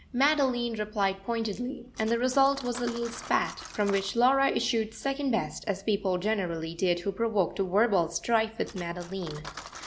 Madeline replied pointedly, and the result was a little spat, from which Laura issued second best, as people generally did who provoked a verbal strife with Madeline.